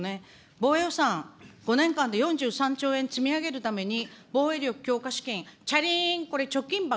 防衛予算、５年間で４３兆円積み上げるために、防衛力強化資金、ちゃりーん、これ、貯金箱。